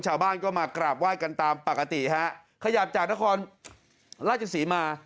ชาวบ้านก็มากราบไหว้กันตามปกติฮะขยับจากนครราชศรีมา